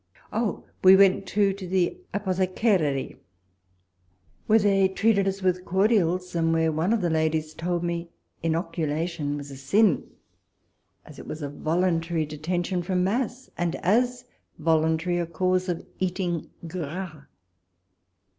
Oh ! we went too to the apothecarie, where they treated us with cordials, and where one of the ladies told me inoculation was a sin, as it was a voluntary detention from mass, and as voluntary a cause of eating gras.